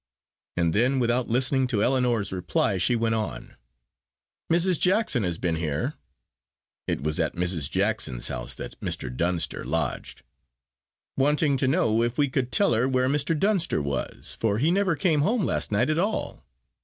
And then, without listening to Ellinor's reply, she went on: "Mrs. Jackson has been here" (it was at Mrs. Jackson's house that Mr. Dunster lodged), "wanting to know if we could tell her where Mr. Dunster was, for he never came home last night at all.